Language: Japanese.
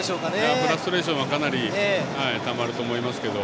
フラストレーションはかなりたまると思います。